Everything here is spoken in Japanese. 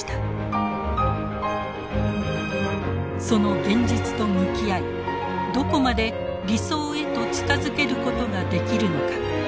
その「現実」と向き合いどこまで「理想」へと近づけることができるのか。